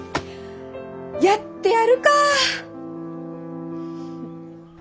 やってやるか！